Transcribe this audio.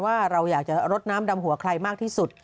ว่าเราอยากจะรดน้ำดำหัวใครมากที่สุด